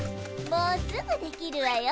もうすぐ出来るわよ。